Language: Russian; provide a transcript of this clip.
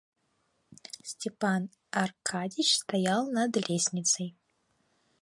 Степан Аркадьич стоял над лестницей.